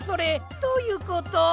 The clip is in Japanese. どういうこと？